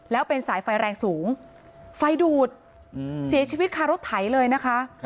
แล้วเป็นสายไฟแรงสูงไฟดูดเสียชีวิตคารถไถเลยนะคะ